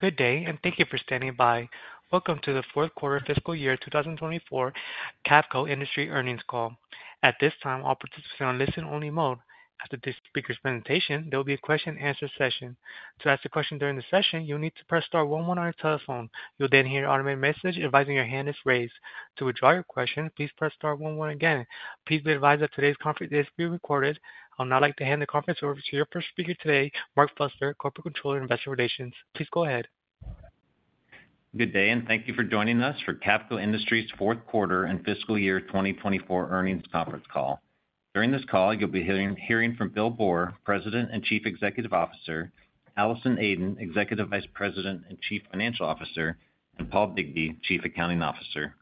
Good day, and thank you for standing by. Welcome to the Fourth Quarter Fiscal Year 2024 Cavco Industries Earnings Call. At this time, all participants are on listen-only mode. After the speaker's presentation, there will be a question-and-answer session. To ask a question during the session, you'll need to press star one one on your telephone. You'll then hear an automated message advising your hand is raised. To withdraw your question, please press star one one again. Please be advised that today's conference is being recorded. I would now like to hand the conference over to your first speaker today, Mark Fusler, Corporate Controller, Investor Relations. Please go ahead. Good day, and thank you for joining us for Cavco Industries' fourth quarter and fiscal year 2024 earnings conference call. During this call, you'll be hearing from Bill Boor, President and Chief Executive Officer; Allison Aden, Executive Vice President and Chief Financial Officer; and Paul Bigbee, Chief Accounting Officer.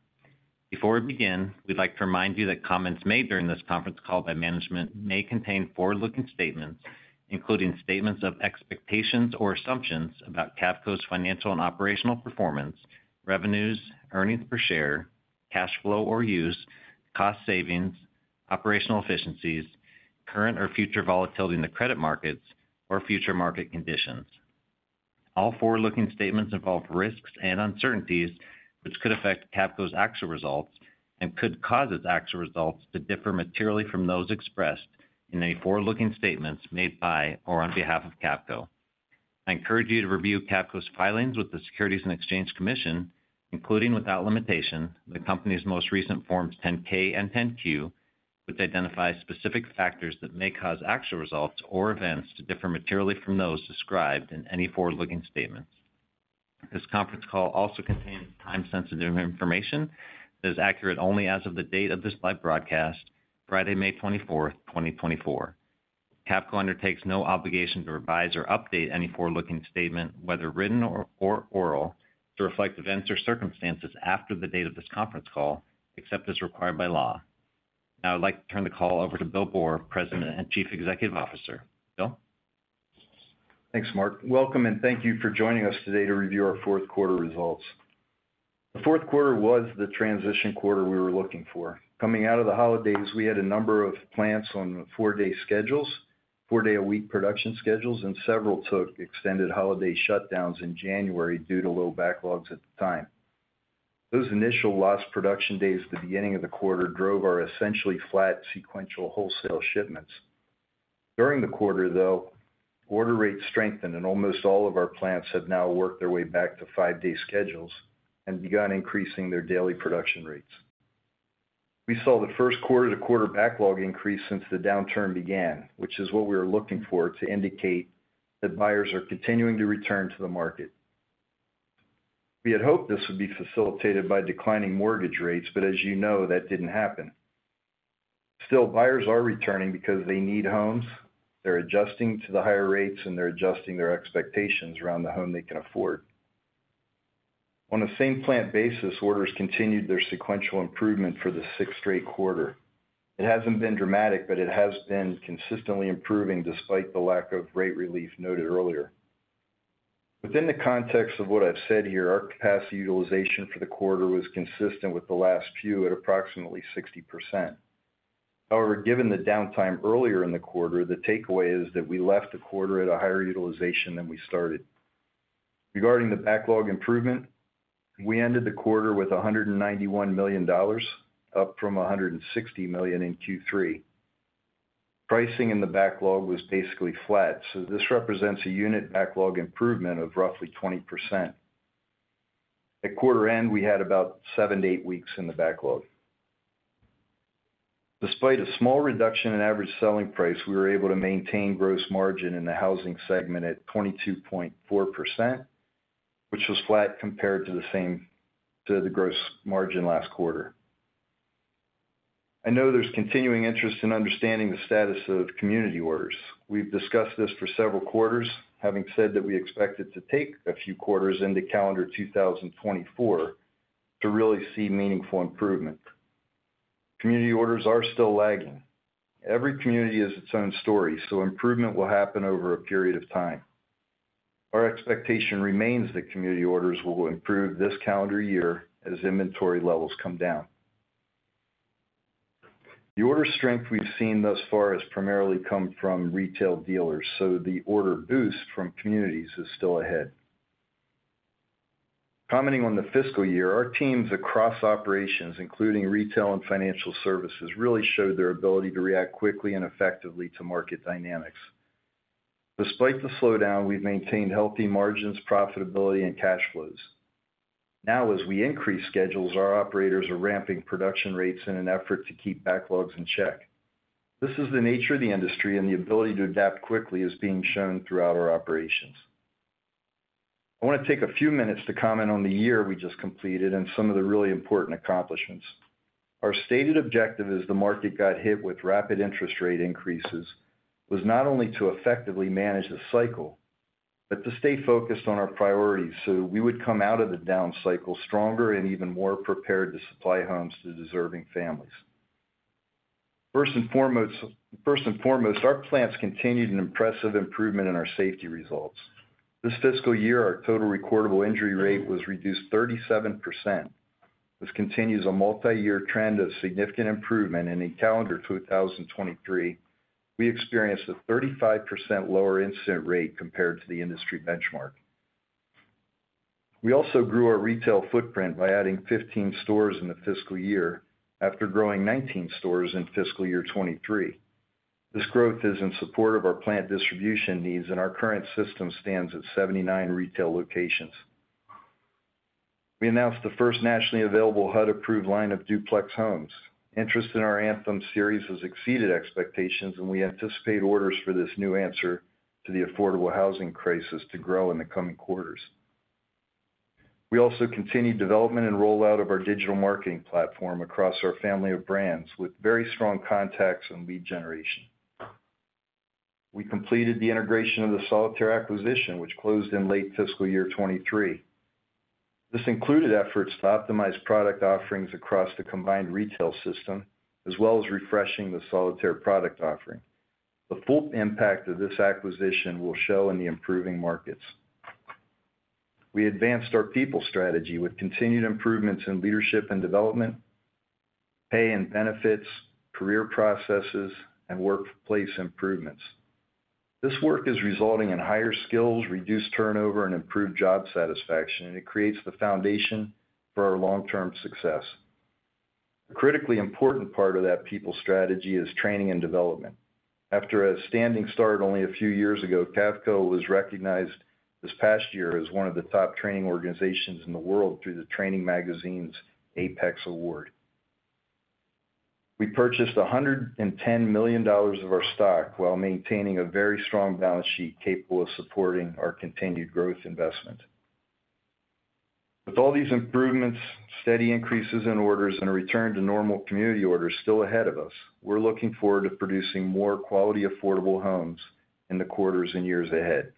Before we begin, we'd like to remind you that comments made during this conference call by management may contain forward-looking statements, including statements of expectations or assumptions about Cavco's financial and operational performance, revenues, earnings per share, cash flow or use, cost savings, operational efficiencies, current or future volatility in the credit markets, or future market conditions. All forward-looking statements involve risks and uncertainties, which could affect Cavco's actual results and could cause its actual results to differ materially from those expressed in any forward-looking statements made by or on behalf of Cavco. I encourage you to review Cavco's filings with the Securities and Exchange Commission, including without limitation, the company's most recent Forms 10-K and 10-Q, which identify specific factors that may cause actual results or events to differ materially from those described in any forward-looking statements. This conference call also contains time-sensitive information that is accurate only as of the date of this live broadcast, Friday, May 24th, 2024. Cavco undertakes no obligation to revise or update any forward-looking statement, whether written or oral, to reflect events or circumstances after the date of this conference call, except as required by law. Now I'd like to turn the call over to Bill Boor, President and Chief Executive Officer. Bill? Thanks, Mark. Welcome, and thank you for joining us today to review our fourth quarter results. The fourth quarter was the transition quarter we were looking for. Coming out of the holidays, we had a number of plants on four-day schedules, four-day-a-week production schedules, and several took extended holiday shutdowns in January due to low backlogs at the time. Those initial lost production days at the beginning of the quarter drove our essentially flat sequential wholesale shipments. During the quarter, though, order rates strengthened, and almost all of our plants have now worked their way back to five-day schedules and begun increasing their daily production rates. We saw the first quarter-to-quarter backlog increase since the downturn began, which is what we were looking for to indicate that buyers are continuing to return to the market. We had hoped this would be facilitated by declining mortgage rates, but as you know, that didn't happen. Still, buyers are returning because they need homes, they're adjusting to the higher rates, and they're adjusting their expectations around the home they can afford. On a same plant basis, orders continued their sequential improvement for the sixth straight quarter. It hasn't been dramatic, but it has been consistently improving despite the lack of rate relief noted earlier. Within the context of what I've said here, our capacity utilization for the quarter was consistent with the last few at approximately 60%. However, given the downtime earlier in the quarter, the takeaway is that we left the quarter at a higher utilization than we started. Regarding the backlog improvement, we ended the quarter with $191 million, up from $160 million in Q3. Pricing in the backlog was basically flat, so this represents a unit backlog improvement of roughly 20%. At quarter end, we had about seven to eight weeks in the backlog. Despite a small reduction in average selling price, we were able to maintain gross margin in the housing segment at 22.4%, which was flat compared to the gross margin last quarter. I know there's continuing interest in understanding the status of community orders. We've discussed this for several quarters, having said that we expect it to take a few quarters into calendar 2024 to really see meaningful improvement. Community orders are still lagging. Every community has its own story, so improvement will happen over a period of time. Our expectation remains that community orders will improve this calendar year as inventory levels come down. The order strength we've seen thus far has primarily come from retail dealers, so the order boost from communities is still ahead. Commenting on the fiscal year, our teams across operations, including retail and financial services, really showed their ability to react quickly and effectively to market dynamics. Despite the slowdown, we've maintained healthy margins, profitability, and cash flows. Now, as we increase schedules, our operators are ramping production rates in an effort to keep backlogs in check. This is the nature of the industry, and the ability to adapt quickly is being shown throughout our operations. I want to take a few minutes to comment on the year we just completed and some of the really important accomplishments. Our stated objective, as the market got hit with rapid interest rate increases, was not only to effectively manage the cycle, but to stay focused on our priorities so we would come out of the down cycle stronger and even more prepared to supply homes to deserving families. First and foremost, first and foremost, our plants continued an impressive improvement in our safety results. This fiscal year, our total recordable injury rate was reduced 37%. This continues a multiyear trend of significant improvement in the calendar 2023. We experienced a 35% lower incident rate compared to the industry benchmark. We also grew our retail footprint by adding 15 stores in the fiscal year, after growing 19 stores in fiscal year 2023. This growth is in support of our plant distribution needs, and our current system stands at 79 retail locations. We announced the first nationally available HUD-approved line of duplex homes. Interest in our Anthem Series has exceeded expectations, and we anticipate orders for this new answer to the affordable housing crisis to grow in the coming quarters. We also continued development and rollout of our digital marketing platform across our family of brands, with very strong contacts and lead generation. We completed the integration of the Solitaire acquisition, which closed in late fiscal year 2023. This included efforts to optimize product offerings across the combined retail system, as well as refreshing the Solitaire product offering. The full impact of this acquisition will show in the improving markets. We advanced our people strategy with continued improvements in leadership and development, pay and benefits, career processes, and workplace improvements. This work is resulting in higher skills, reduced turnover, and improved job satisfaction, and it creates the foundation for our long-term success. A critically important part of that people strategy is training and development. After a standing start only a few years ago, Cavco was recognized this past year as one of the top training organizations in the world through the Training Magazine's APEX Award. We purchased $110 million of our stock while maintaining a very strong balance sheet, capable of supporting our continued growth investment. With all these improvements, steady increases in orders, and a return to normal community orders still ahead of us, we're looking forward to producing more quality, affordable homes in the quarters and years ahead.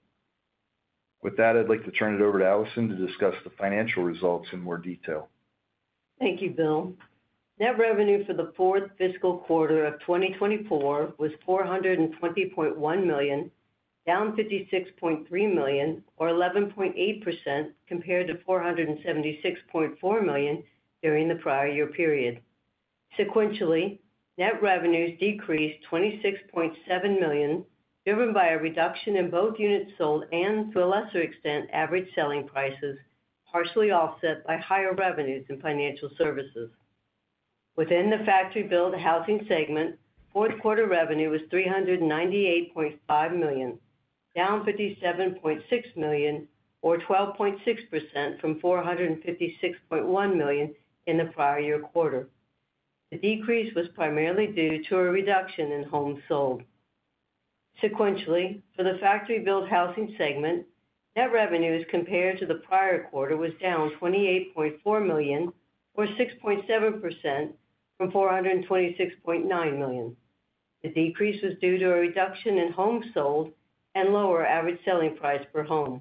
With that, I'd like to turn it over to Allison to discuss the financial results in more detail. Thank you, Bill. Net revenue for the fourth fiscal quarter of 2024 was $420.1 million, down $56.3 million, or 11.8%, compared to $476.4 million during the prior year period. Sequentially, net revenues decreased $26.7 million, driven by a reduction in both units sold and, to a lesser extent, average selling prices, partially offset by higher revenues in financial services. Within the factory-built housing segment, fourth quarter revenue was $398.5 million, down $57.6 million, or 12.6%, from $456.1 million in the prior year quarter. The decrease was primarily due to a reduction in homes sold. Sequentially, for the factory-built housing segment, net revenues compared to the prior quarter was down $28.4 million, or 6.7%, from $426.9 million. The decrease was due to a reduction in homes sold and lower average selling price per home.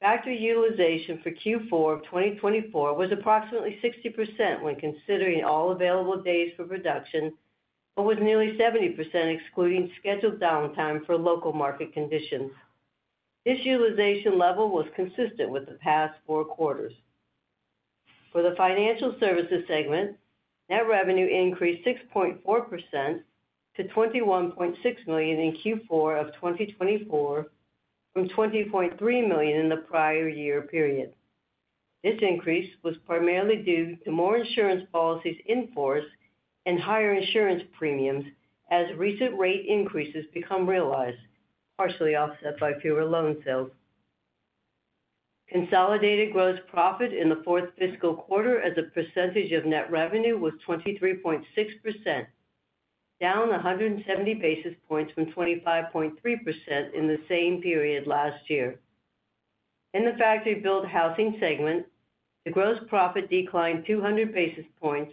Factory utilization for Q4 of 2024 was approximately 60% when considering all available days for production, but was nearly 70%, excluding scheduled downtime for local market conditions. This utilization level was consistent with the past four quarters. For the financial services segment, net revenue increased 6.4% to $21.6 million in Q4 of 2024, from $20.3 million in the prior year period. This increase was primarily due to more insurance policies in force and higher insurance premiums, as recent rate increases become realized, partially offset by fewer loan sales. Consolidated gross profit in the fourth fiscal quarter as a percentage of net revenue was 23.6%, down 170 basis points from 25.3% in the same period last year. In the factory-built housing segment, the gross profit declined 200 basis points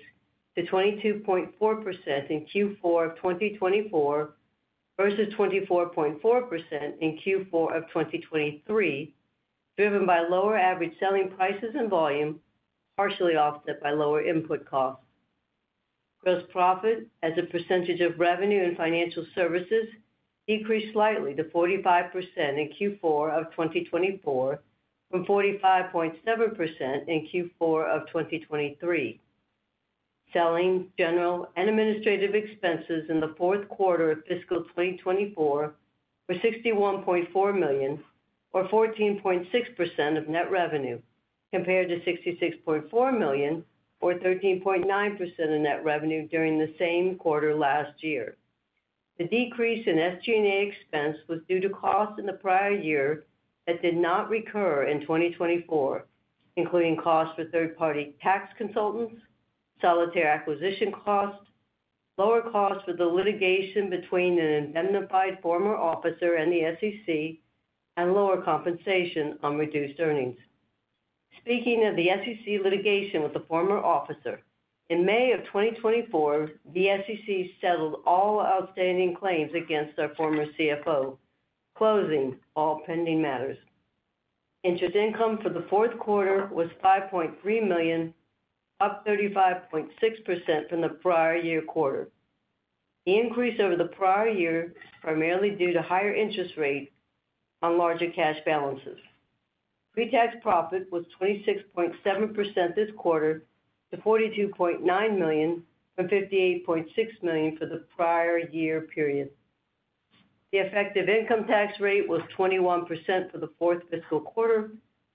to 22.4% in Q4 of 2024 versus 24.4% in Q4 of 2023, driven by lower average selling prices and volume, partially offset by lower input costs. Gross profit, as a percentage of revenue and financial services, decreased slightly to 45% in Q4 of 2024, from 45.7% in Q4 of 2023. Selling, general, and administrative expenses in the fourth quarter of fiscal 2024 were $61.4 million, or 14.6% of net revenue, compared to $66.4 million, or 13.9% of net revenue during the same quarter last year. The decrease in SG&A expense was due to costs in the prior year that did not recur in 2024, including costs for third-party tax consultants, Solitaire acquisition costs, lower costs for the litigation between an indemnified former officer and the SEC, and lower compensation on reduced earnings. Speaking of the SEC litigation with the former officer, in May of 2024, the SEC settled all outstanding claims against our former CFO, closing all pending matters. Interest income for the fourth quarter was $5.3 million, up 35.6% from the prior year quarter. The increase over the prior year is primarily due to higher interest rate on larger cash balances. Pre-tax profit was 26.7% this quarter, to $42.9 million, from $58.6 million for the prior year period. The effective income tax rate was 21% for the fourth fiscal quarter,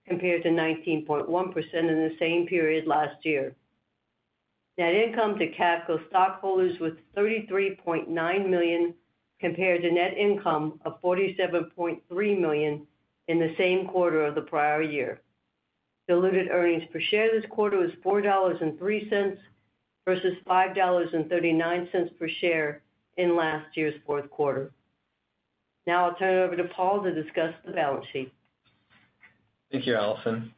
compared to 19.1% in the same period last year. Net income to Cavco stockholders was $33.9 million, compared to net income of $47.3 million in the same quarter of the prior year. Diluted earnings per share this quarter was $4.03, versus $5.39 per share in last year's fourth quarter. Now I'll turn it over to Paul to discuss the balance sheet. Thank you, Allison.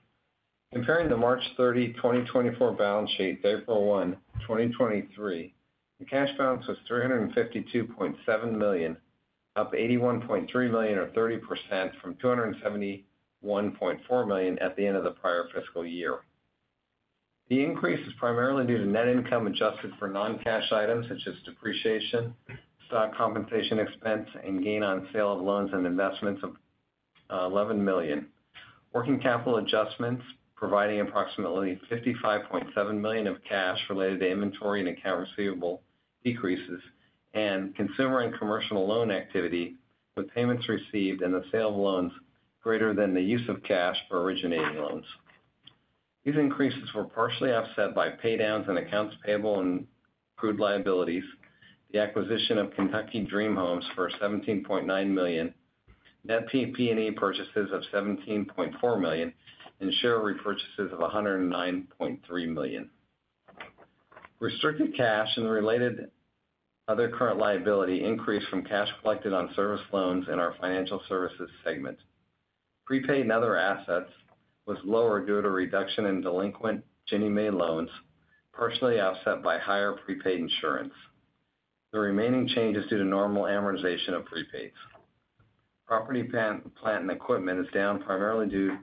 Comparing the March 30, 2024 balance sheet to April 1, 2023, the cash balance was $352.7 million, up $81.3 million, or 30% from $271.4 million at the end of the prior fiscal year. The increase is primarily due to net income adjusted for non-cash items such as depreciation, stock compensation expense, and gain on sale of loans and investments of $11 million. Working capital adjustments, providing approximately $55.7 million of cash related to inventory and accounts receivable decreases, and consumer and commercial loan activity, with payments received and the sale of loans greater than the use of cash for originating loans. These increases were partially offset by pay downs and accounts payable and accrued liabilities, the acquisition of Kentucky Dream Homes for $17.9 million, net PP&E purchases of $17.4 million, and share repurchases of $109.3 million. Restricted cash and the related other current liability increased from cash collected on service loans in our financial services segment. Prepaid and other assets was lower due to a reduction in delinquent Ginnie Mae loans, partially offset by higher prepaid insurance. The remaining change is due to normal amortization of prepaids. Property, plant, and equipment is down primarily due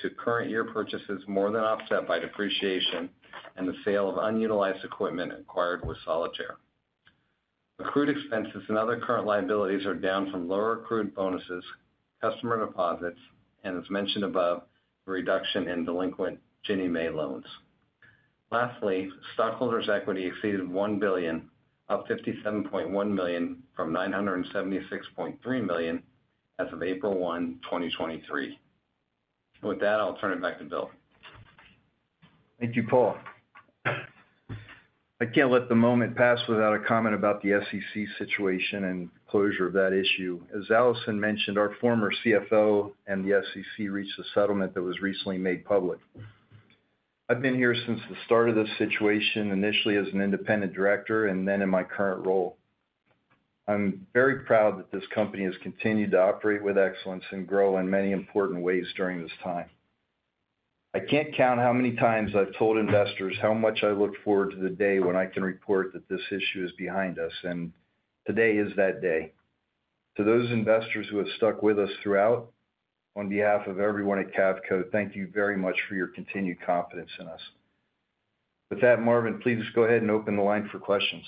to current year purchases, more than offset by depreciation and the sale of unutilized equipment acquired with Solitaire. Accrued expenses and other current liabilities are down from lower accrued bonuses, customer deposits, and as mentioned above, a reduction in delinquent Ginnie Mae loans. Lastly, stockholders' equity exceeded $1 billion, up $57.1 million, from $976.3 million as of April 1, 2023. With that, I'll turn it back to Bill. Thank you, Paul. I can't let the moment pass without a comment about the SEC situation and closure of that issue. As Allison mentioned, our former CFO and the SEC reached a settlement that was recently made public. I've been here since the start of this situation, initially as an independent director and then in my current role. I'm very proud that this company has continued to operate with excellence and grow in many important ways during this time. I can't count how many times I've told investors how much I look forward to the day when I can report that this issue is behind us, and today is that day. To those investors who have stuck with us throughout, on behalf of everyone at Cavco, thank you very much for your continued confidence in us. With that, Marvin, please go ahead and open the line for questions.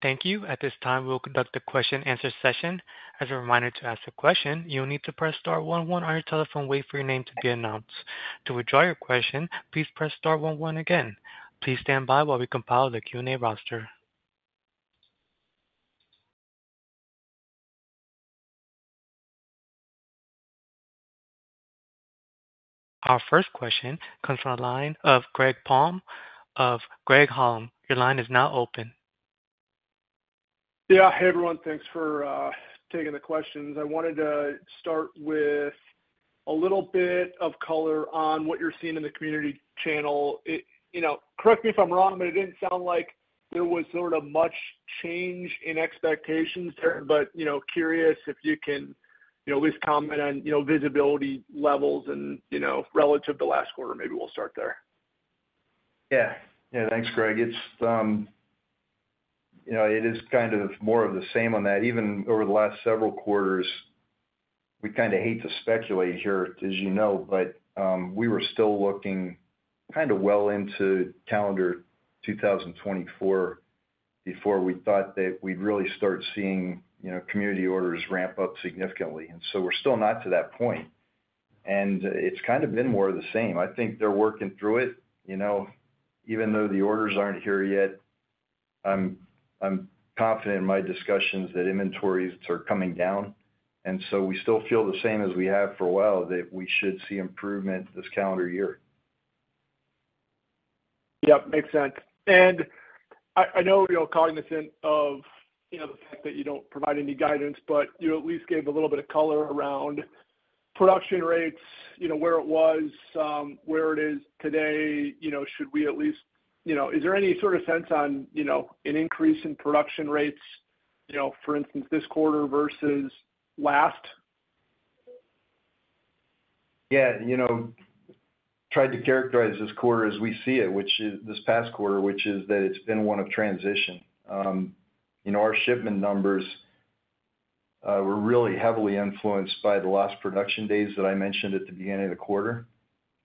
Thank you. At this time, we will conduct a question and answer session. As a reminder to ask a question, you'll need to press star one one on your telephone, wait for your name to be announced. To withdraw your question, please press star one one again. Please stand by while we compile the Q&A roster. Our first question comes from the line of Greg Palm of Craig-Hallum. Your line is now open. Yeah. Hey, everyone. Thanks for taking the questions. I wanted to start with a little bit of color on what you're seeing in the community channel. It, you know, correct me if I'm wrong, but it didn't sound like there was sort of much change in expectations there. But, you know, curious if you can, you know, at least comment on, you know, visibility levels and, you know, relative to last quarter. Maybe we'll start there. Yeah. Yeah. Thanks, Greg. It's, you know, it is kind of more of the same on that. Even over the last several quarters, we kind of hate to speculate here, as you know, but, we were still looking kind of well into calendar 2024 before we thought that we'd really start seeing, you know, community orders ramp up significantly. And so we're still not to that point, and it's kind of been more of the same. I think they're working through it. You know, even though the orders aren't here yet, I'm confident in my discussions that inventories are coming down, and so we still feel the same as we have for a while, that we should see improvement this calendar year. Yep, makes sense. And I know you're cognizant of, you know, the fact that you don't provide any guidance, but you at least gave a little bit of color around production rates, you know, where it was, where it is today. You know, should we at least... You know, is there any sort of sense on, you know, an increase in production rates, you know, for instance, this quarter versus last? Yeah, you know, tried to characterize this quarter as we see it, which is this past quarter, which is that it's been one of transition. You know, our shipment numbers were really heavily influenced by the lost production days that I mentioned at the beginning of the quarter.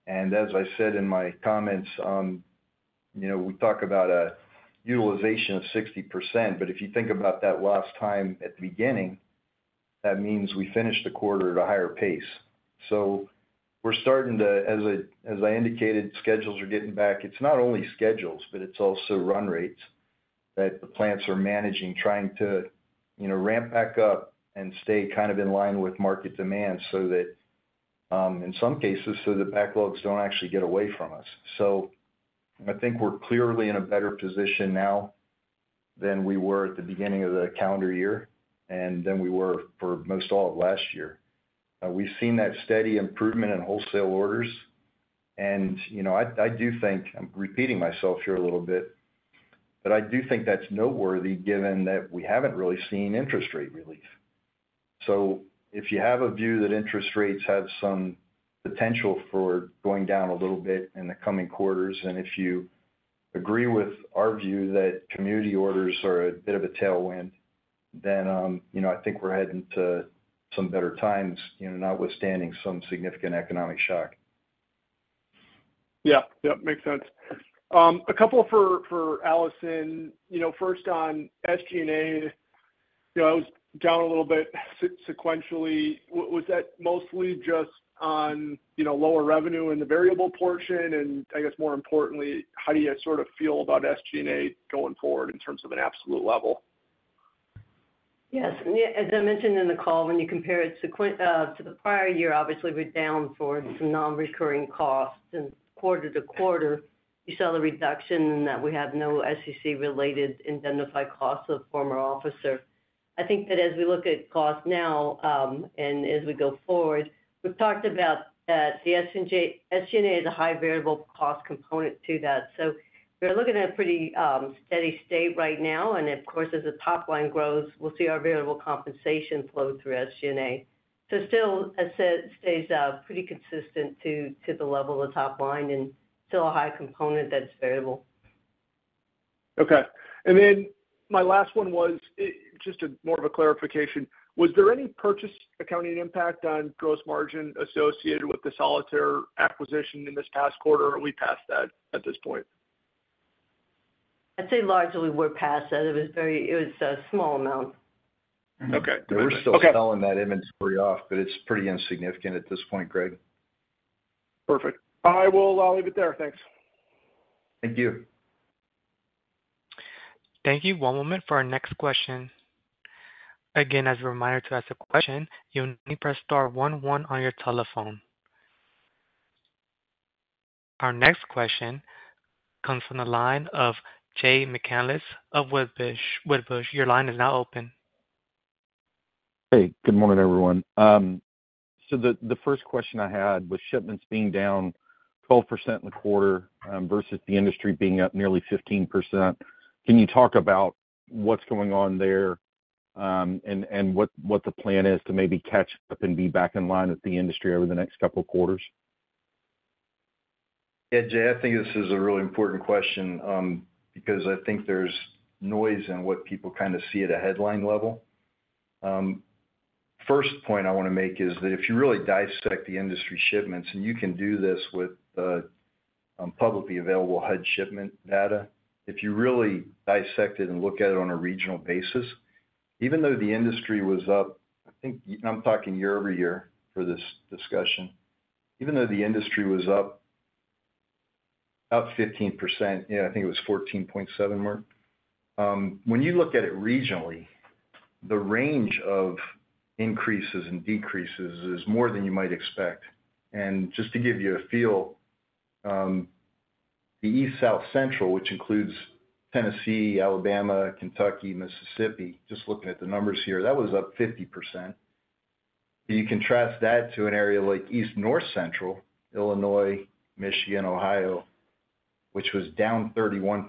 And as I said in my comments, you know, we talk about a utilization of 60%, but if you think about that lost time at the beginning, that means we finished the quarter at a higher pace. So we're starting to, as I indicated, schedules are getting back. It's not only schedules, but it's also run rates that the plants are managing, trying to, you know, ramp back up and stay kind of in line with market demand so that in some cases so the backlogs don't actually get away from us. So I think we're clearly in a better position now than we were at the beginning of the calendar year and than we were for most all of last year. We've seen that steady improvement in wholesale orders, and, you know, I, I do think, I'm repeating myself here a little bit, but I do think that's noteworthy, given that we haven't really seen interest rate relief. So if you have a view that interest rates have some potential for going down a little bit in the coming quarters, and if you agree with our view that community orders are a bit of a tailwind, then, you know, I think we're heading to some better times, you know, notwithstanding some significant economic shock. Yeah. Yep, makes sense. A couple for Allison. You know, first on SG&A, you know, it was down a little bit sequentially. Was that mostly just on, you know, lower revenue in the variable portion? And I guess more importantly, how do you sort of feel about SG&A going forward in terms of an absolute level? Yes, yeah, as I mentioned in the call, when you compare it sequentially to the prior year, obviously, we're down for some non-recurring costs. And quarter to quarter, you saw the reduction in that we have no SEC-related indemnified costs of former officer. I think that as we look at costs now, and as we go forward, we've talked about that the SG&A is a high variable cost component to that. So we're looking at a pretty steady state right now, and of course, as the top line grows, we'll see our variable compensation flow through SG&A. So still, as I said, stays pretty consistent to the level of the top line and still a high component that's variable. Okay. And then my last one was, just a more of a clarification: Was there any purchase accounting impact on gross margin associated with the Solitaire acquisition in this past quarter, or are we past that at this point? I'd say largely we're past that. It was a small amount. Okay. We're still selling that inventory off, but it's pretty insignificant at this point, Greg. Perfect. I will, leave it there. Thanks. Thank you. Thank you. One moment for our next question. Again, as a reminder, to ask a question, you only press star one one on your telephone. Our next question comes from the line of Jay McCanless of Wedbush. Your line is now open. Hey, good morning, everyone. So the first question I had, with shipments being down 12% in the quarter, versus the industry being up nearly 15%, can you talk about what's going on there, and what the plan is to maybe catch up and be back in line with the industry over the next couple of quarters? Yeah, Jay, I think this is a really important question, because I think there's noise in what people kind of see at a headline level. First point I want to make is that if you really dissect the industry shipments, and you can do this with the publicly available HUD shipment data, if you really dissect it and look at it on a regional basis, even though the industry was up, I think I'm talking year-over-year for this discussion. Even though the industry was up 15%, yeah, I think it was 14.7%, mark. When you look at it regionally, the range of increases and decreases is more than you might expect. And just to give you a feel, the East South Central, which includes Tennessee, Alabama, Kentucky, Mississippi, just looking at the numbers here, that was up 50%. You contrast that to an area like East North Central, Illinois, Michigan, Ohio, which was down 31%.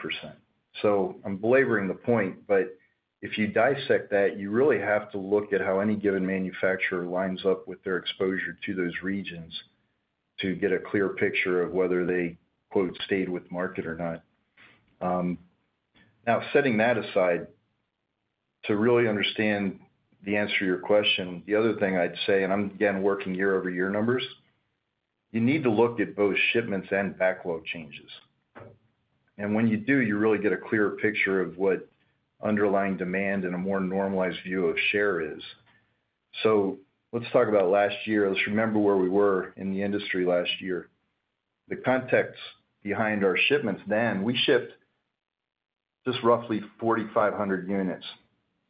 So I'm belaboring the point, but if you dissect that, you really have to look at how any given manufacturer lines up with their exposure to those regions to get a clear picture of whether they, quote, "stayed with market or not." Now, setting that aside, to really understand the answer to your question, the other thing I'd say, and I'm, again, working year-over-year numbers, you need to look at both shipments and backlog changes. And when you do, you really get a clearer picture of what underlying demand and a more normalized view of share is. So let's talk about last year. Let's remember where we were in the industry last year. The context behind our shipments then, we shipped just roughly 4,500 units,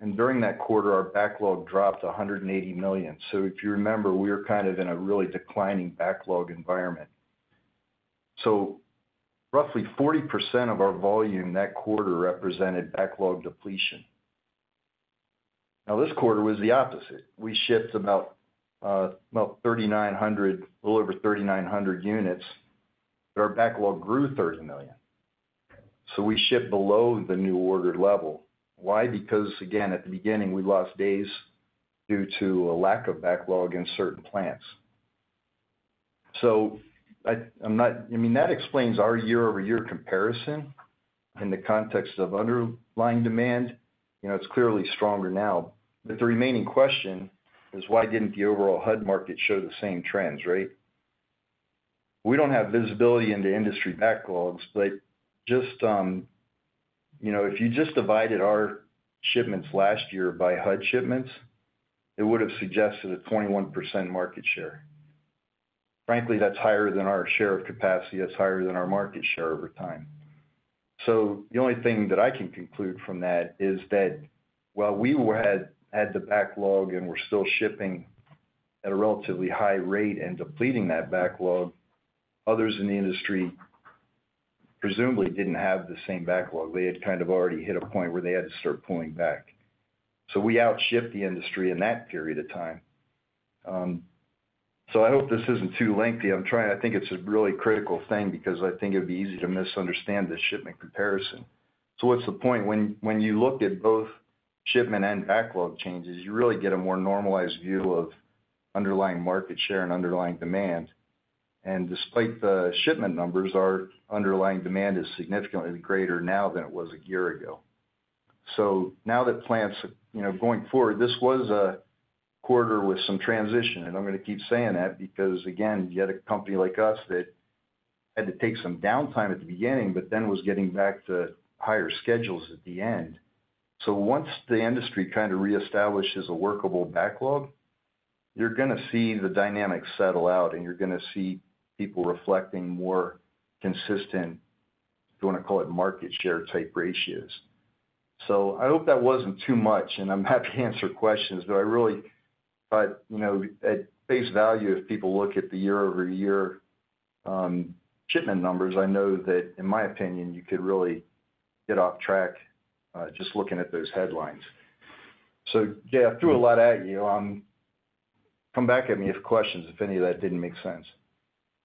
and during that quarter, our backlog dropped $180 million. So if you remember, we were kind of in a really declining backlog environment. So roughly 40% of our volume that quarter represented backlog depletion. Now, this quarter was the opposite. We shipped about, about 3,900, a little over 3,900 units, but our backlog grew $30 million. So we shipped below the new ordered level. Why? Because, again, at the beginning, we lost days due to a lack of backlog in certain plants. So, I mean, that explains our year-over-year comparison in the context of underlying demand. You know, it's clearly stronger now. But the remaining question is: why didn't the overall HUD market show the same trends, right? We don't have visibility into industry backlogs, but just, you know, if you just divided our shipments last year by HUD shipments, it would have suggested a 21% market share. Frankly, that's higher than our share of capacity, that's higher than our market share over time. So the only thing that I can conclude from that is that while we had the backlog and were still shipping at a relatively high rate and depleting that backlog, others in the industry presumably didn't have the same backlog. They had kind of already hit a point where they had to start pulling back. So we out-shipped the industry in that period of time. So I hope this isn't too lengthy. I'm trying, I think it's a really critical thing because I think it'd be easy to misunderstand this shipment comparison. So what's the point? When, when you look at both shipment and backlog changes, you really get a more normalized view of underlying market share and underlying demand. Despite the shipment numbers, our underlying demand is significantly greater now than it was a year ago. Now that plants, you know, going forward, this was a quarter with some transition, and I'm going to keep saying that because, again, you had a company like us that had to take some downtime at the beginning, but then was getting back to higher schedules at the end. Once the industry kind of reestablishes a workable backlog, you're gonna see the dynamics settle out, and you're gonna see people reflecting more consistent, if you wanna call it, market share-type ratios. So I hope that wasn't too much, and I'm happy to answer questions, but, you know, at face value, if people look at the year-over-year shipment numbers, I know that, in my opinion, you could really get off track just looking at those headlines. So yeah, I threw a lot at you. Come back at me with questions if any of that didn't make sense.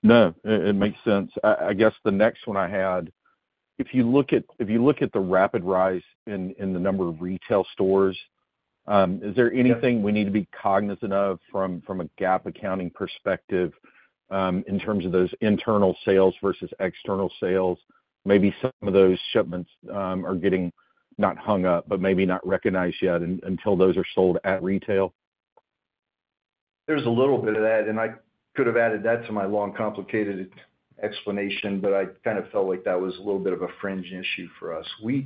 No, it makes sense. I guess the next one I had: if you look at the rapid rise in the number of retail stores, is there anything we need to be cognizant of from a GAAP accounting perspective, in terms of those internal sales versus external sales? Maybe some of those shipments are getting, not hung up, but maybe not recognized yet until those are sold at retail. There's a little bit of that, and I could have added that to my long, complicated explanation, but I kind of felt like that was a little bit of a fringe issue for us. We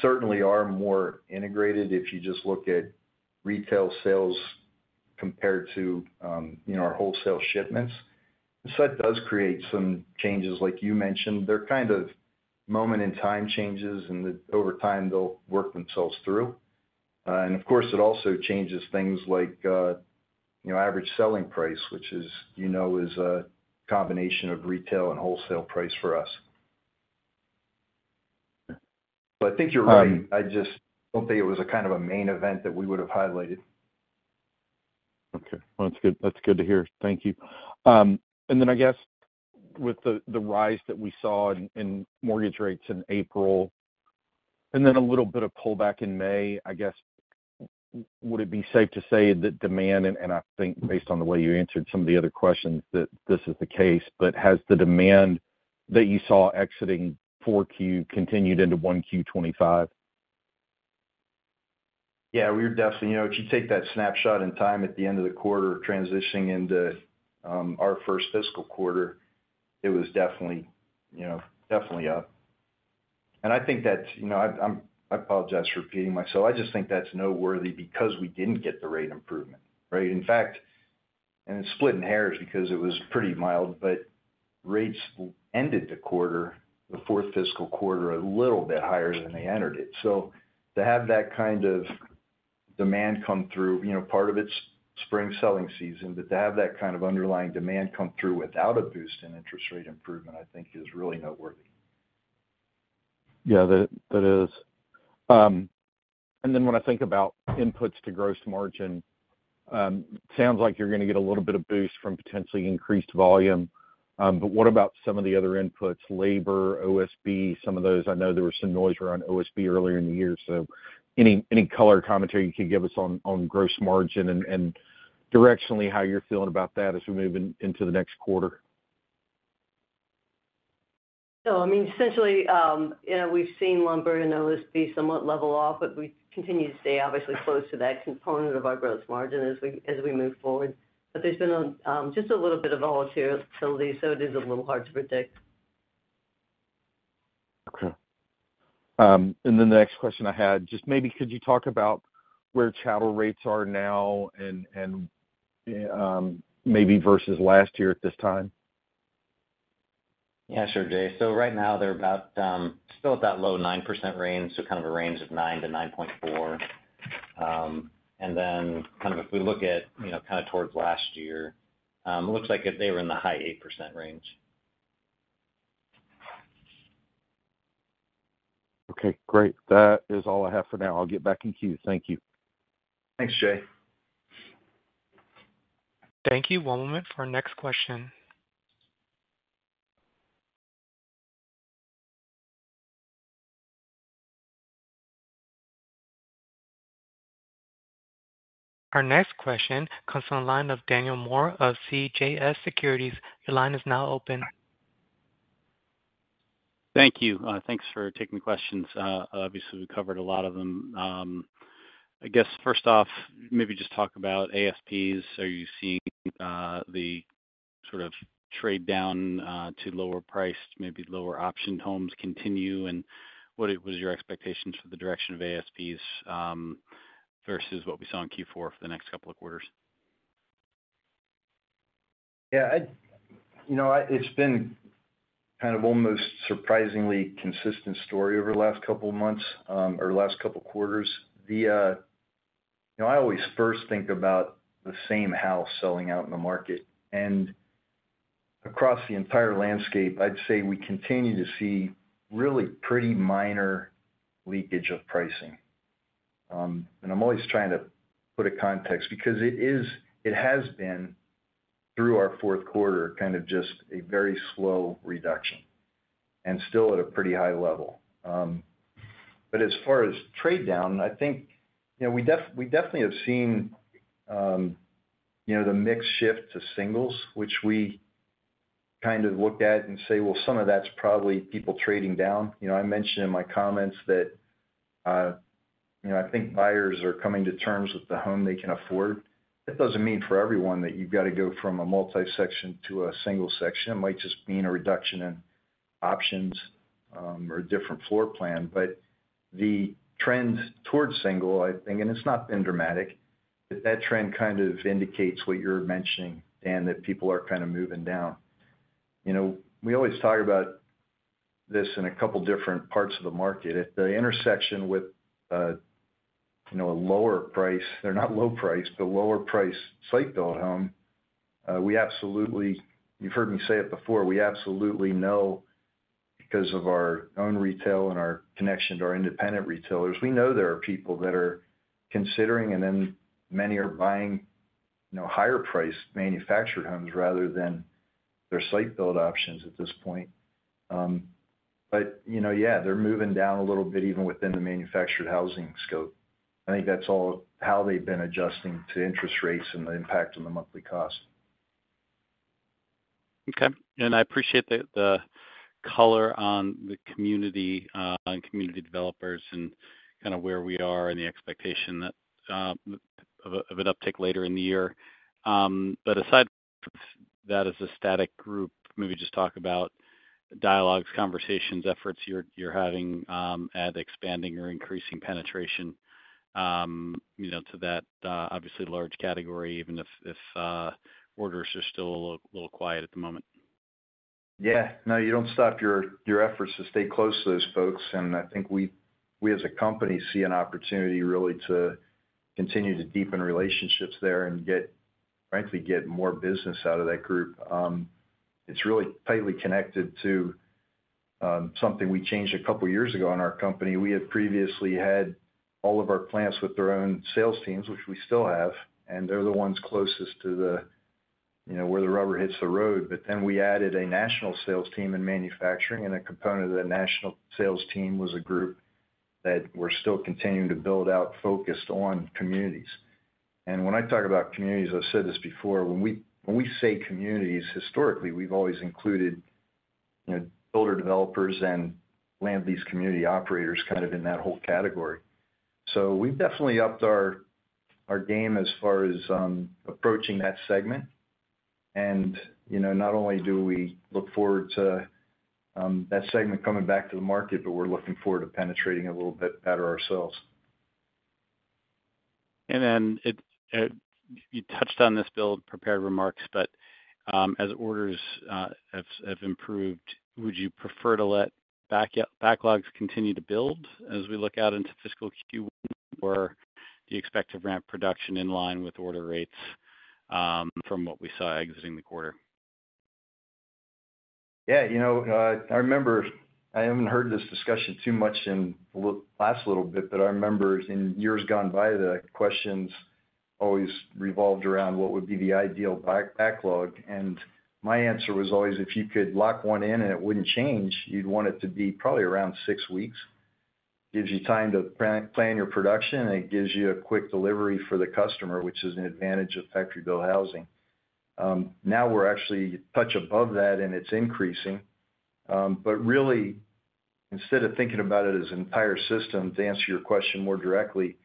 certainly are more integrated if you just look at retail sales compared to, you know, our wholesale shipments. So that does create some changes like you mentioned. They're kind of moment in time changes, and over time, they'll work themselves through. And of course, it also changes things like, you know, average selling price, which is, you know, a combination of retail and wholesale price for us. So I think you're right. I just don't think it was a kind of a main event that we would have highlighted. Okay. Well, that's good, that's good to hear. Thank you. And then I guess with the, the rise that we saw in, in mortgage rates in April, and then a little bit of pullback in May, I guess, would it be safe to say that demand, and, and I think based on the way you answered some of the other questions, that this is the case, but has the demand that you saw exiting 4Q continued into 1Q 2025? Yeah, we're definitely... You know, if you take that snapshot in time at the end of the quarter, transitioning into our first fiscal quarter, it was definitely, you know, definitely up. And I think that's, you know... I'm, I apologize for repeating myself. I just think that's noteworthy because we didn't get the rate improvement, right? In fact, it's splitting hairs because it was pretty mild, but rates ended the quarter, the fourth fiscal quarter, a little bit higher than they entered it. So to have that kind of demand come through, you know, part of it's spring selling season, but to have that kind of underlying demand come through without a boost in interest rate improvement, I think is really noteworthy. Yeah, that is. And then when I think about inputs to gross margin, sounds like you're gonna get a little bit of boost from potentially increased volume. But what about some of the other inputs, labor, OSB, some of those? I know there was some noise around OSB earlier in the year, so any color or commentary you could give us on gross margin and directionally, how you're feeling about that as we move into the next quarter? So I mean, essentially, you know, we've seen lumber and OSB somewhat level off, but we continue to stay obviously close to that component of our gross margin as we move forward. But there's been just a little bit of volatility, so it is a little hard to predict. Okay. Then the next question I had, just maybe could you talk about where chattel rates are now and maybe versus last year at this time? Yeah, sure, Jay. So right now, they're about still at that low 9% range, so kind of a range of 9%-9.4%. And then kind of if we look at, you know, kind of towards last year, it looks like they were in the high 8% range. Okay, great. That is all I have for now. I'll get back in queue. Thank you. Thanks, Jay. Thank you. One moment for our next question. Our next question comes from the line of Daniel Moore of CJS Securities. Your line is now open. Thank you. Thanks for taking questions. Obviously, we covered a lot of them. I guess first off, maybe just talk about ASPs. Are you seeing the sort of trade down to lower priced, maybe lower option homes continue? And what was your expectations for the direction of ASPs versus what we saw in Q4 for the next couple of quarters? Yeah, you know, it's been kind of almost surprisingly consistent story over the last couple of months, or last couple quarters. You know, I always first think about the same house selling out in the market, and across the entire landscape, I'd say we continue to see really pretty minor leakage of pricing. And I'm always trying to put a context because it has been, through our fourth quarter, kind of just a very slow reduction and still at a pretty high level. But as far as trade down, I think, you know, we definitely have seen, you know, the mix shift to singles, which we kind of looked at and say, well, some of that's probably people trading down. You know, I mentioned in my comments that, you know, I think buyers are coming to terms with the home they can afford. That doesn't mean for everyone that you've got to go from a multi-section to a single section. It might just mean a reduction in options, or a different floor plan. But the trend towards single, I think, and it's not been dramatic, but that trend kind of indicates what you're mentioning, Dan, that people are kind of moving down. You know, we always talk about this in a couple different parts of the market. At the intersection with, you know, a lower price, or not low price, but lower price site-built home, we absolutely...You've heard me say it before, we absolutely know because of our own retail and our connection to our independent retailers, we know there are people that are considering, and then many are buying, you know, higher priced manufactured homes rather than their site-built options at this point. But, you know, yeah, they're moving down a little bit, even within the manufactured housing scope. I think that's all how they've been adjusting to interest rates and the impact on the monthly cost. Okay. And I appreciate the color on the community and community developers and kind of where we are and the expectation of an uptick later in the year. But aside that as a static group, maybe just talk about dialogues, conversations, efforts you're having at expanding or increasing penetration, you know, to that obviously large category, even if orders are still a little quiet at the moment. Yeah. No, you don't stop your efforts to stay close to those folks, and I think we, as a company, see an opportunity really to continue to deepen relationships there and get... frankly, get more business out of that group. It's really tightly connected to something we changed a couple of years ago in our company. We had previously had all of our plants with their own sales teams, which we still have, and they're the ones closest to the, you know, where the rubber hits the road. But then we added a national sales team in manufacturing, and a component of the national sales team was a group that we're still continuing to build out, focused on communities. When I talk about communities, I've said this before, when we say communities, historically, we've always included, you know, builder-developers and land-lease community operators, kind of in that whole category. We've definitely upped our game as far as approaching that segment. You know, not only do we look forward to that segment coming back to the market, but we're looking forward to penetrating it a little bit better ourselves. You touched on this in prepared remarks, but as orders have improved, would you prefer to let backlogs continue to build as we look out into fiscal Q4? Do you expect to ramp production in line with order rates from what we saw exiting the quarter? Yeah, you know, I remember I haven't heard this discussion too much in the last little bit, but I remember in years gone by, the questions always revolved around what would be the ideal backlog. My answer was always, if you could lock one in and it wouldn't change, you'd want it to be probably around six weeks. Gives you time to plan, plan your production, and it gives you a quick delivery for the customer, which is an advantage of factory build housing. Now we're actually a touch above that, and it's increasing. But really, instead of thinking about it as an entire system, to answer your question more directly,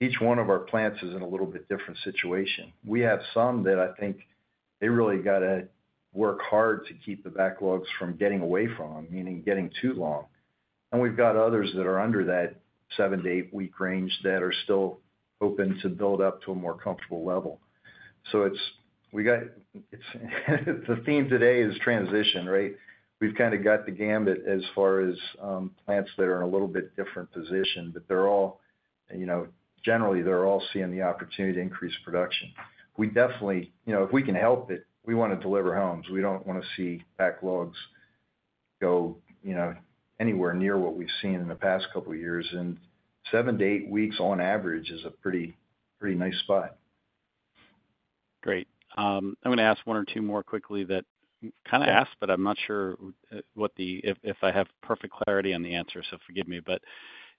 each one of our plants is in a little bit different situation. We have some that I think they really got to work hard to keep the backlogs from getting away from them, meaning getting too long. And we've got others that are under that seven to eight week range that are still open to build up to a more comfortable level. So it's—we got, it's, the theme today is transition, right? We've kind of got the gamut as far as, plants that are in a little bit different position, but they're all—you know, generally, they're all seeing the opportunity to increase production. We definitely... You know, if we can help it, we want to deliver homes. We don't want to see backlogs go, you know, anywhere near what we've seen in the past couple of years, and seven to eight weeks on average is a pretty, pretty nice spot. Great. I'm gonna ask one or two more quickly that kind of asked, but I'm not sure what the if, if I have perfect clarity on the answer, so forgive me. But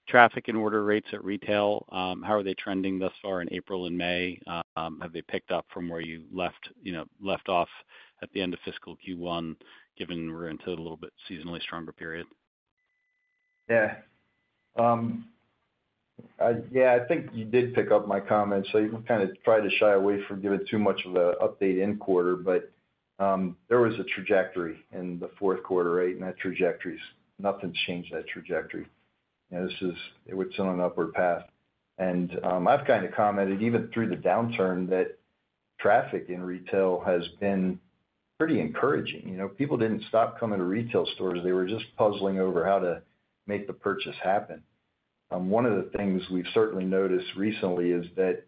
traffic and order rates at retail, how are they trending thus far in April and May? Have they picked up from where you left, you know, left off at the end of fiscal Q1, given we're into the little bit seasonally stronger period? Yeah. Yeah, I think you did pick up my comment, so you kind of tried to shy away from giving too much of an update in quarter, but there was a trajectory in the fourth quarter, right? And that trajectory's nothing's changed that trajectory. You know, this is, it was still an upward path. And I've kind of commented, even through the downturn, that traffic in retail has been pretty encouraging. You know, people didn't stop coming to retail stores. They were just puzzling over how to make the purchase happen. One of the things we've certainly noticed recently is that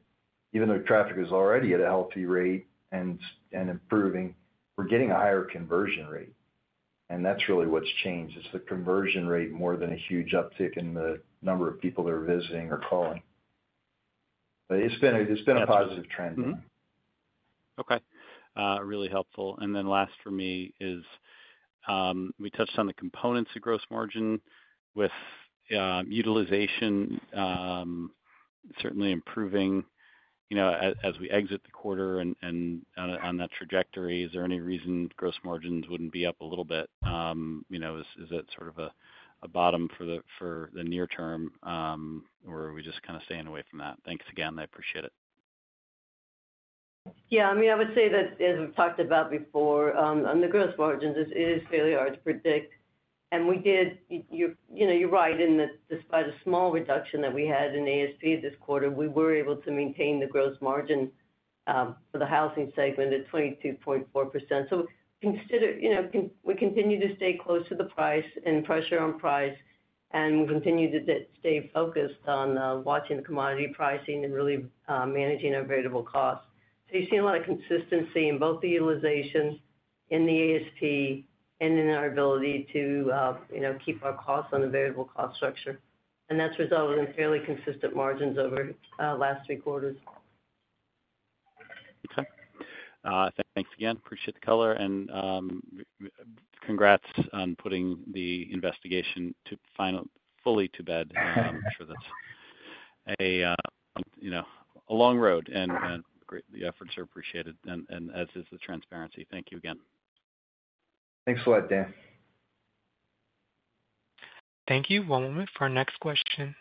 even though traffic is already at a healthy rate and improving, we're getting a higher conversion rate, and that's really what's changed. It's the conversion rate more than a huge uptick in the number of people that are visiting or calling. But it's been a positive trend. Mm-hmm. Okay. Really helpful. And then last for me is, we touched on the components of gross margin with utilization certainly improving, you know, as we exit the quarter and on that trajectory. Is there any reason gross margins wouldn't be up a little bit? You know, is that sort of a bottom for the near term, or are we just kind of staying away from that? Thanks again. I appreciate it. Yeah, I mean, I would say that, as we've talked about before, on the gross margins, it is fairly hard to predict. And we did, you, you know, you're right, in that despite a small reduction that we had in ASP this quarter, we were able to maintain the gross margin, for the housing segment at 22.4%. So consider, you know, we continue to stay close to the price and pressure on price, and we continue to stay focused on, watching the commodity pricing and really, managing our variable costs. So you've seen a lot of consistency in both the utilization in the ASP and in our ability to, you know, keep our costs on a variable cost structure, and that's resulted in fairly consistent margins over, last three quarters. Okay. Thanks again. Appreciate the color, and congrats on putting the investigation fully to bed. I'm sure that's a you know, a long road, and the efforts are appreciated, and as is the transparency. Thank you again. Thanks a lot, Dan. Thank you. One moment for our next question.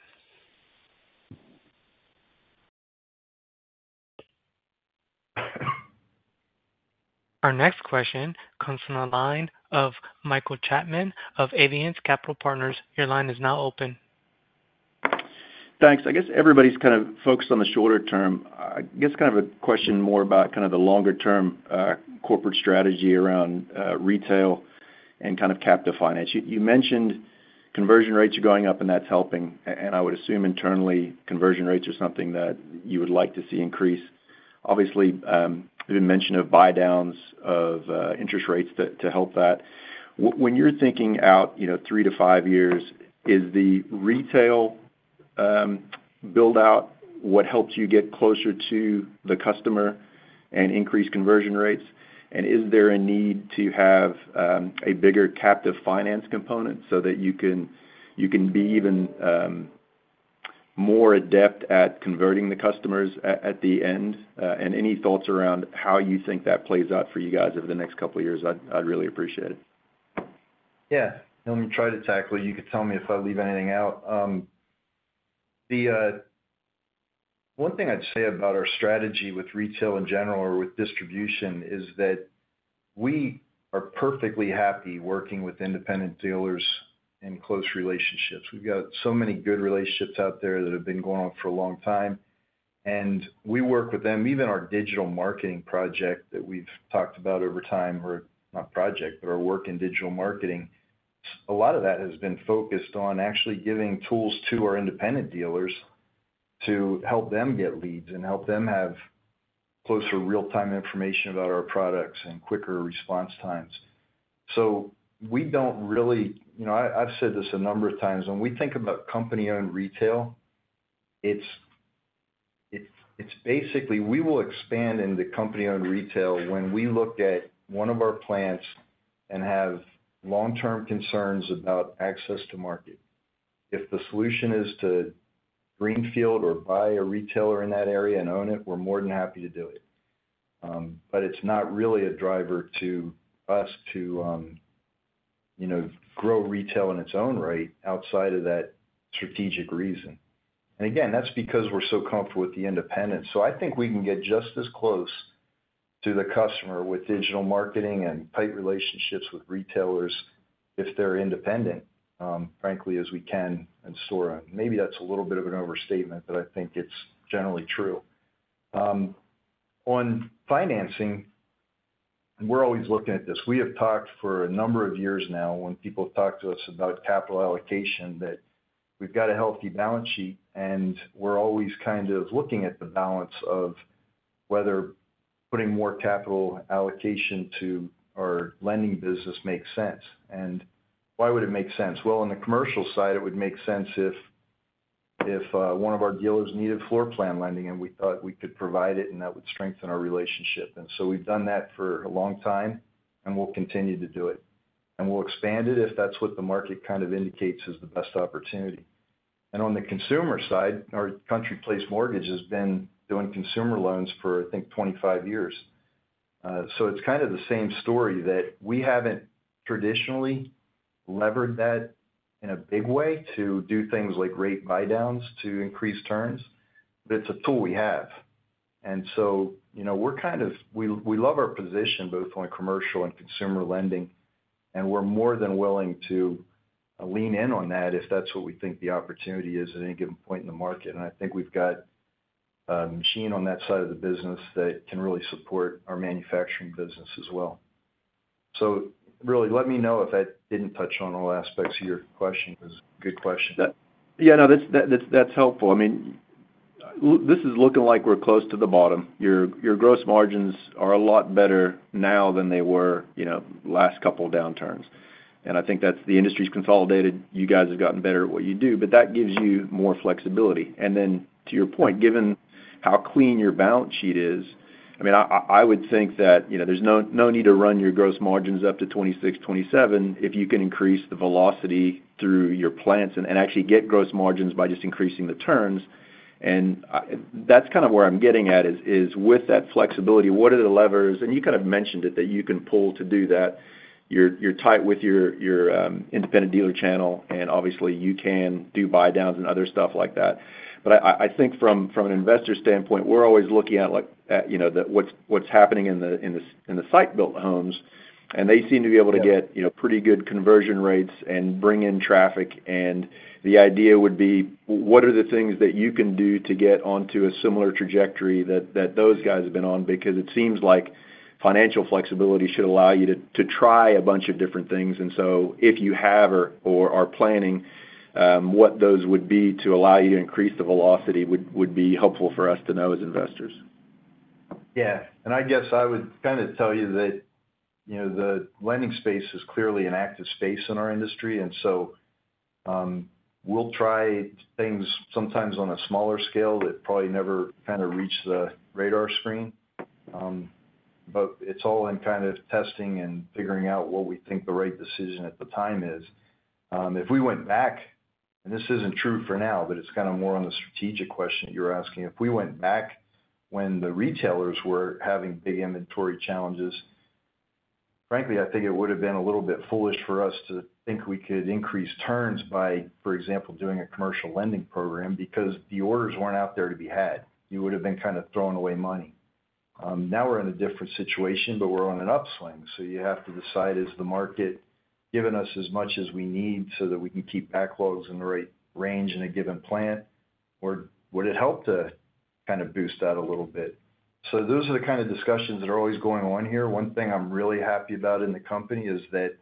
Our next question comes from the line of Michael Chapman of Aviance Capital Partners. Your line is now open. Thanks. I guess everybody's kind of focused on the shorter term. I guess kind of a question more about kind of the longer term, corporate strategy around, retail and kind of captive finance. You, you mentioned conversion rates are going up, and that's helping, and I would assume internally, conversion rates are something that you would like to see increase. Obviously, even mention of buy downs of, interest rates to, to help that. When you're thinking out, you know, three to five years, is the retail, build out what helps you get closer to the customer and increase conversion rates? And is there a need to have, a bigger captive finance component so that you can, you can be even, more adept at converting the customers at, at the end? Any thoughts around how you think that plays out for you guys over the next couple of years? I'd really appreciate it. Yeah, let me try to tackle it. You could tell me if I leave anything out. The one thing I'd say about our strategy with retail in general or with distribution is that we are perfectly happy working with independent dealers in close relationships. We've got so many good relationships out there that have been going on for a long time, and we work with them. Even our digital marketing project that we've talked about over time, or not project, but our work in digital marketing, a lot of that has been focused on actually giving tools to our independent dealers to help them get leads and help them have closer real-time information about our products and quicker response times. So we don't really... You know, I, I've said this a number of times. When we think about company-owned retail, it's basically we will expand into company-owned retail when we look at one of our plants and have long-term concerns about access to market. If the solution is to greenfield or buy a retailer in that area and own it, we're more than happy to do it. But it's not really a driver to us to, you know, grow retail in its own right outside of that strategic reason. And again, that's because we're so comfortable with the independents. So I think we can get just as close to the customer with digital marketing and tight relationships with retailers if they're independent, frankly, as we can in Solitaire. Maybe that's a little bit of an overstatement, but I think it's generally true. On financing, we're always looking at this. We have talked for a number of years now, when people talk to us about capital allocation, that we've got a healthy balance sheet, and we're always kind of looking at the balance of whether putting more capital allocation to our lending business makes sense. And why would it make sense? Well, on the commercial side, it would make sense if one of our dealers needed floor plan lending, and we thought we could provide it, and that would strengthen our relationship. And so we've done that for a long time, and we'll continue to do it. And we'll expand it if that's what the market kind of indicates is the best opportunity. And on the consumer side, our CountryPlace Mortgage has been doing consumer loans for, I think, 25 years. So it's kind of the same story, that we haven't traditionally levered that in a big way to do things like rate buydowns to increase turns. But it's a tool we have. And so, you know, we're kind of, we love our position, both on commercial and consumer lending, and we're more than willing to lean in on that if that's what we think the opportunity is at any given point in the market. And I think we've got a machine on that side of the business that can really support our manufacturing business as well. So really, let me know if I didn't touch on all aspects of your question, because good question. Yeah, no, that's helpful. I mean, this is looking like we're close to the bottom. Your, your gross margins are a lot better now than they were, you know, last couple of downturns. And I think that's the industry's consolidated. You guys have gotten better at what you do, but that gives you more flexibility. And then, to your point, given how clean your balance sheet is, I mean, I would think that, you know, there's no need to run your gross margins up to 26, 27, if you can increase the velocity through your plants and actually get gross margins by just increasing the turns. And that's kind of where I'm getting at, is with that flexibility, what are the levers, and you kind of mentioned it, that you can pull to do that? You're tight with your independent dealer channel, and obviously, you can do buydowns and other stuff like that. But I think from an investor standpoint, we're always looking at, like, you know, what's happening in the site-built homes, and they seem to be able to get you know, pretty good conversion rates and bring in traffic. And the idea would be: what are the things that you can do to get onto a similar trajectory that those guys have been on? Because it seems like financial flexibility should allow you to try a bunch of different things. And so if you have or are planning what those would be to allow you to increase the velocity, would be helpful for us to know as investors. Yeah. And I guess I would kind of tell you that, you know, the lending space is clearly an active space in our industry, and so, we'll try things sometimes on a smaller scale that probably never kind of reach the radar screen. But it's all in kind of testing and figuring out what we think the right decision at the time is. If we went back, and this isn't true for now, but it's kind of more on the strategic question you're asking. If we went back when the retailers were having big inventory challenges, frankly, I think it would have been a little bit foolish for us to think we could increase turns by, for example, doing a commercial lending program, because the orders weren't out there to be had. You would have been kind of throwing away money. Now we're in a different situation, but we're on an upswing, so you have to decide, is the market giving us as much as we need so that we can keep backlogs in the right range in a given plant, or would it help to kind of boost that a little bit? So those are the kind of discussions that are always going on here. One thing I'm really happy about in the company is that,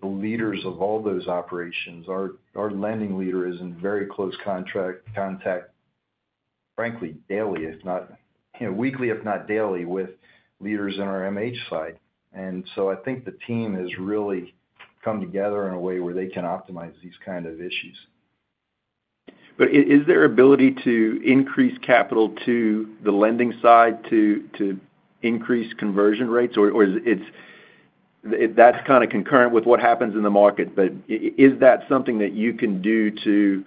the leaders of all those operations, our, our lending leader is in very close contact, frankly, daily, if not, you know, weekly, if not daily, with leaders in our MH side. And so I think the team has really come together in a way where they can optimize these kind of issues. But is there ability to increase capital to the lending side to, to increase conversion rates? Or, or it's, if that's kind of concurrent with what happens in the market, but is that something that you can do to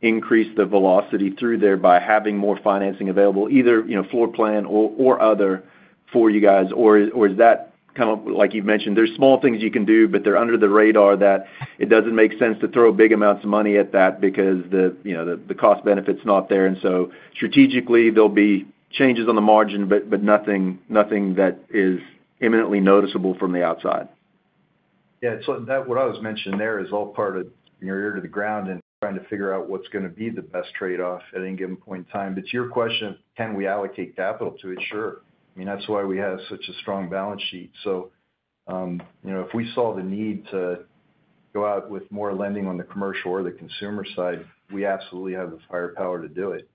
increase the velocity through there by having more financing available, either, you know, floor plan or, or other, for you guys? Or, or is that kind of like you've mentioned, there's small things you can do, but they're under the radar, that it doesn't make sense to throw big amounts of money at that because the, you know, the, the cost benefit's not there. And so strategically, there'll be changes on the margin, but, but nothing, nothing that is imminently noticeable from the outside. Yeah, so that, what I was mentioning there is all part of your ear to the ground and trying to figure out what's going to be the best trade-off at any given point in time. But to your question, can we allocate capital to it? Sure. I mean, that's why we have such a strong balance sheet. So, you know, if we saw the need to go out with more lending on the commercial or the consumer side, we absolutely have the firepower to do it.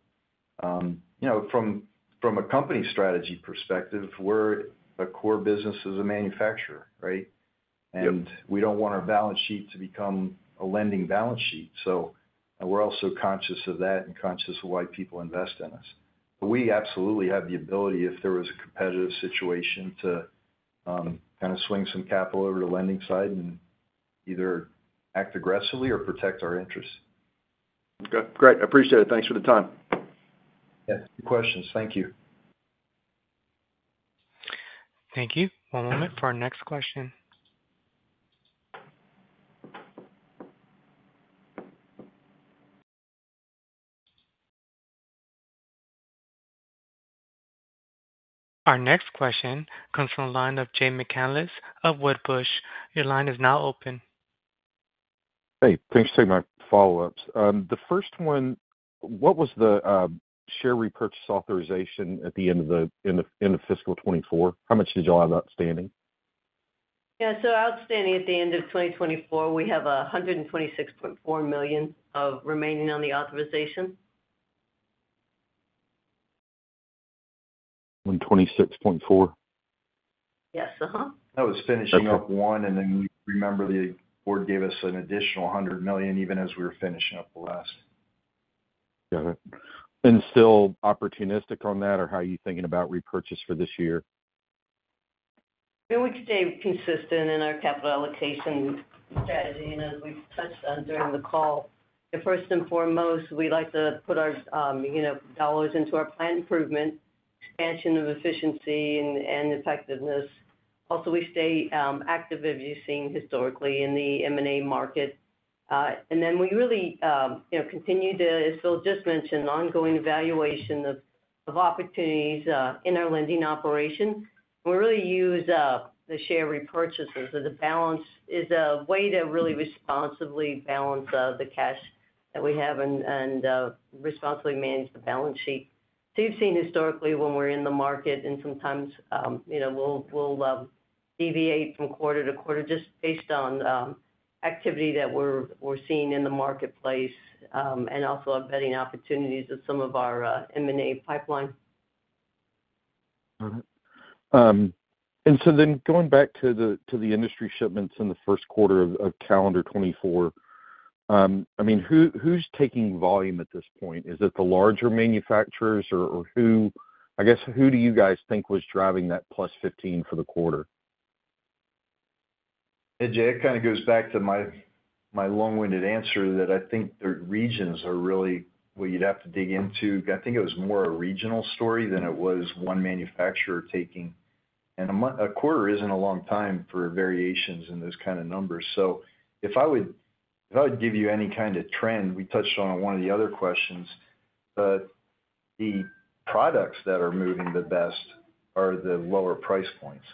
You know, from a company strategy perspective, we're a core business as a manufacturer, right? Yep. We don't want our balance sheet to become a lending balance sheet. We're also conscious of that and conscious of why people invest in us. We absolutely have the ability, if there was a competitive situation, to kind of swing some capital over to the lending side and either act aggressively or protect our interests. Okay, great. I appreciate it. Thanks for the time. Yeah, good questions. Thank you. Thank you. One moment for our next question. Our next question comes from the line of Jay McCanless of Wedbush. Your line is now open. Hey, thanks for taking my follow-ups. The first one, what was the share repurchase authorization at the end of fiscal 2024? How much did you all have outstanding? Yeah, so outstanding at the end of 2024, we have $126.4 million remaining on the authorization. $126.4 million? Yes, uh-huh. That was finishing up one, and then you remember the board gave us an additional $100 million even as we were finishing up the last. Got it. Still opportunistic on that, or how are you thinking about repurchase for this year? Yeah, we stay consistent in our capital allocation strategy, and as we've touched on during the call, first and foremost, we like to put our, you know, dollars into our plant improvement, expansion of efficiency and effectiveness. Also, we stay active, as you've seen historically in the M&A market. And then we really, you know, continue to, as Bill just mentioned, ongoing evaluation of opportunities in our lending operations. We really use the share repurchases as a way to really responsibly balance the cash that we have and responsibly manage the balance sheet. So you've seen historically when we're in the market, and sometimes, you know, we'll deviate from quarter to quarter just based on activity that we're seeing in the marketplace, and also embedding opportunities with some of our M&A pipeline. All right. And so then going back to the industry shipments in the first quarter of calendar 2024, I mean, who's taking volume at this point? Is it the larger manufacturers or who—I guess, who do you guys think was driving that +15 for the quarter? Hey, Jay, it kind of goes back to my long-winded answer that I think the regions are really what you'd have to dig into. I think it was more a regional story than it was one manufacturer taking... And a quarter isn't a long time for variations in those kind of numbers. So if I would give you any kind of trend, we touched on in one of the other questions, but the products that are moving the best are the lower price points.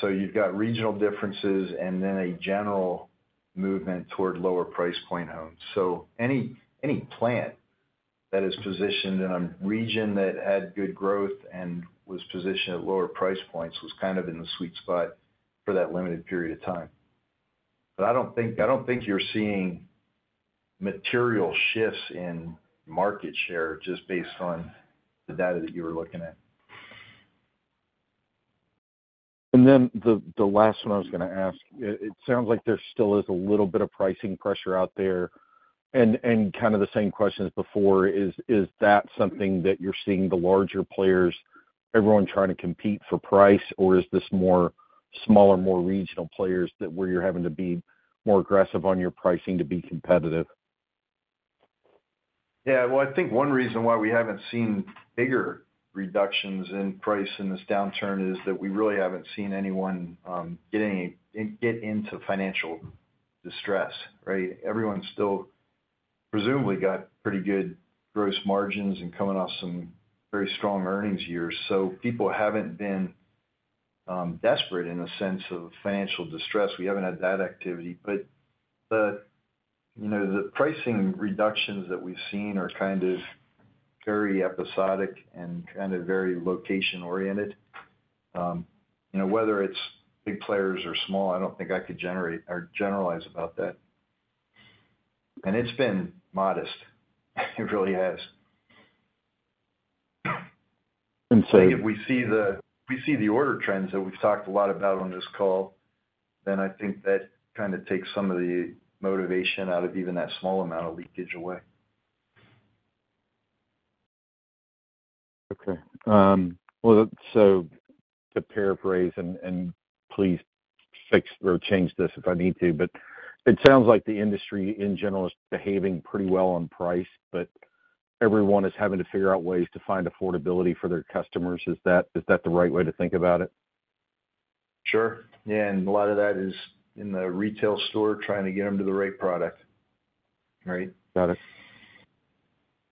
So you've got regional differences and then a general movement toward lower price point homes. So any plant that is positioned in a region that had good growth and was positioned at lower price points was kind of in the sweet spot for that limited period of time. I don't think you're seeing material shifts in market share just based on the data that you were looking at. And then the last one I was going to ask, it sounds like there still is a little bit of pricing pressure out there, and kind of the same question as before, is that something that you're seeing the larger players, everyone trying to compete for price, or is this more smaller, more regional players that where you're having to be more aggressive on your pricing to be competitive? Yeah, well, I think one reason why we haven't seen bigger reductions in price in this downturn is that we really haven't seen anyone getting into financial distress, right? Everyone's still presumably got pretty good gross margins and coming off some very strong earnings years. So people haven't been desperate in a sense of financial distress. We haven't had that activity. But the, you know, the pricing reductions that we've seen are kind of very episodic and kind of very location-oriented. You know, whether it's big players or small, I don't think I could generate or generalize about that. And it's been modest. It really has. And so If we see the order trends that we've talked a lot about on this call, then I think that kind of takes some of the motivation out of even that small amount of leakage away. Okay, well, so to paraphrase, and please fix or change this if I need to, but it sounds like the industry in general is behaving pretty well on price, but everyone is having to figure out ways to find affordability for their customers. Is that the right way to think about it? Sure. Yeah, and a lot of that is in the retail store, trying to get them to the right product. Right? Got it.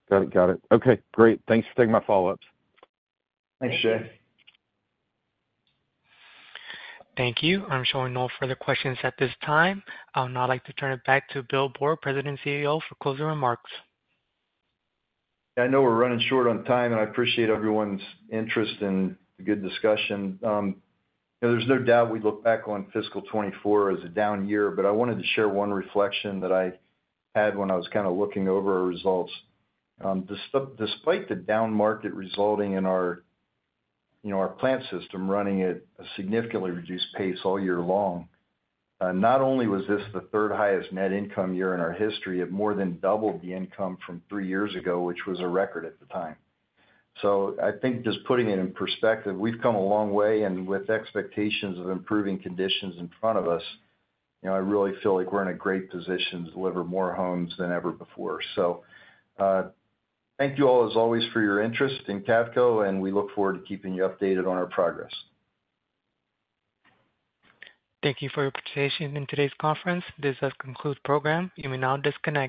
Got it, got it. Okay, great. Thanks for taking my follow-ups. Thanks, Jay. Thank you. I'm showing no further questions at this time. I would now like to turn it back to Bill Boor, President and CEO, for closing remarks. I know we're running short on time, and I appreciate everyone's interest and the good discussion. You know, there's no doubt we look back on fiscal 2024 as a down year, but I wanted to share one reflection that I had when I was kind of looking over our results. Despite the down market resulting in our, you know, our plant system running at a significantly reduced pace all year long, not only was this the third highest net income year in our history, it more than doubled the income from three years ago, which was a record at the time. So I think just putting it in perspective, we've come a long way, and with expectations of improving conditions in front of us, you know, I really feel like we're in a great position to deliver more homes than ever before. Thank you all as always for your interest in Cavco, and we look forward to keeping you updated on our progress. Thank you for your participation in today's conference. This does conclude program. You may now disconnect.